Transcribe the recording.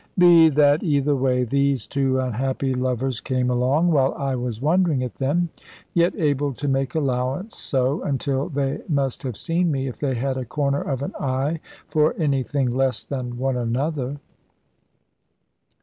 Be that either way, these two unhappy lovers came along, while I was wondering at them, yet able to make allowance so, until they must have seen me, if they had a corner of an eye for anything less than one another.